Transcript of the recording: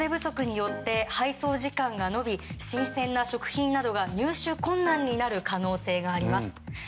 人手不足によって、配送時間が延び新鮮な食品などが入手困難になる可能性があります。